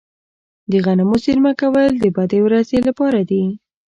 د غنمو زیرمه کول د بدې ورځې لپاره دي.